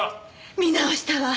見直したわ！